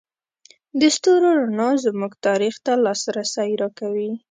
د ستورو رڼا زموږ تاریخ ته لاسرسی راکوي.